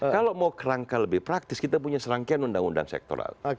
kalau mau kerangka lebih praktis kita punya serangkaian undang undang sektoral